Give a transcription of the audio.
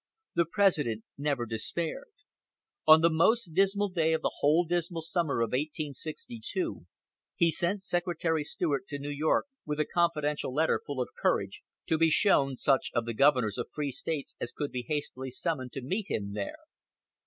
The President never despaired. On the most dismal day of the whole dismal summer of 1862 he sent Secretary Seward to New York with a confidential letter full of courage, to be shown such of the governors of free States as could be hastily summoned to meet him there.